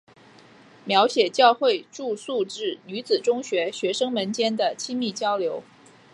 描写教会住宿制女子中学学生们间的亲密交流。